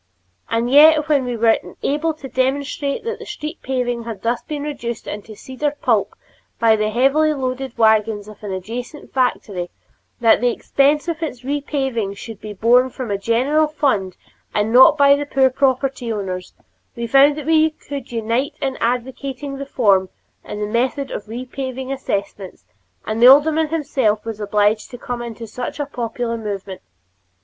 And yet when we were able to demonstrate that the street paving had thus been reduced into cedar pulp by the heavily loaded wagons of an adjacent factory, that the expense of its repaving should be borne from a general fund and not by the poor property owners, we found that we could all unite in advocating reform in the method of repaving assessments, and the alderman himself was obliged to come into such a popular movement.